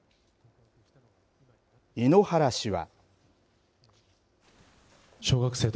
井ノ原氏は。